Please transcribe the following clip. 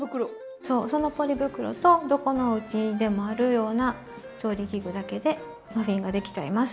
そうそのポリ袋とどこのおうちにでもあるような調理器具だけでマフィンができちゃいます。